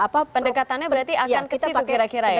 pendekatannya berarti akan ke situ kira kira ya